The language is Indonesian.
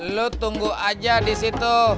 lo tunggu aja disitu